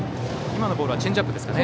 今のボールはチェンジアップか。